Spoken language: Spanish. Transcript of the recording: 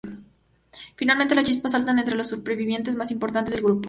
Finalmente, las chispas saltan entre los supervivientes más importantes del grupo.